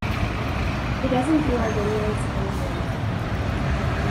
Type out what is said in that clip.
He doesn't do our videos anymore.